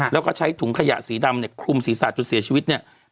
แล้วก็ใช้ถุงขยะสีดำคลุมสีสาดจุดเสียชีวิตเนี่ย